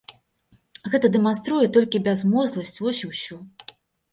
Гэта дэманструе толькі бязмозгасць, вось і ўсё.